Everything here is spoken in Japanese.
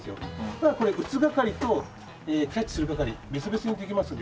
ただこれ打つ係とキャッチする係別々にできますんで。